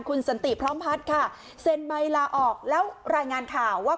คุณสันติพร้อมพัฒน์ค่ะเซ็นใบลาออกแล้วรายงานข่าวว่า